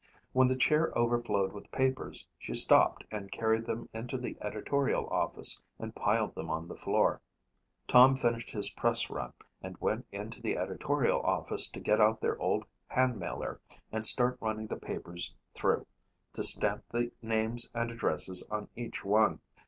When the chair overflowed with papers she stopped and carried them into the editorial office and piled them on the floor. Tom finished his press run and went into the editorial office to get out their old hand mailer and start running the papers through to stamp the names and addresses on each one.